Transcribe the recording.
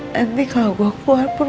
nanti kalau gue keluar pun